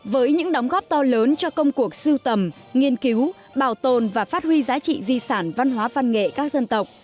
với những đóng góp to lớn cho công cuộc siêu tầm nghiên cứu bảo tồn và phát huy giá trị di sản văn hóa văn nghệ các dân tộc